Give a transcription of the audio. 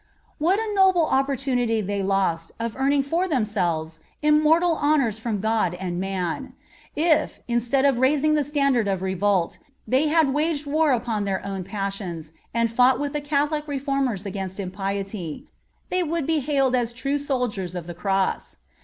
What a noble opportunity they lost of earning for themselves immortal honors from God and man! If, instead of raising the standard of revolt, they had waged war upon their own passions, and fought with the Catholic reformers against impiety, they would be hailed as true soldiers of the cross.